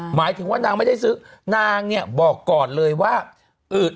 หมายถึงว่านางไม่ได้ซื้อนางเนี่ยบอกก่อนเลยว่าเออ